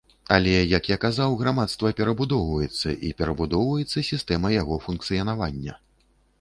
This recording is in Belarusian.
Але, як я казаў, грамадства перабудоўваецца, і перабудоўваецца сістэма яго функцыянавання.